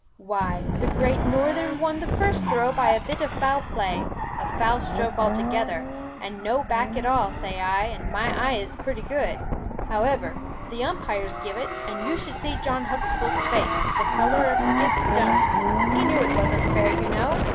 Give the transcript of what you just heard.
"Why, the Great Northern won the first throw by a bit of foul play, a foul stroke altogether, and no back at all, say I, and my eyes is pretty good; however, the umpires give it, and you should see John Huxtable's face, the colour of a scythe stone; he knew it was unfair you know.